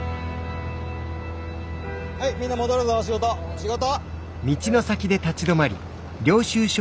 はいみんな戻るぞ仕事仕事！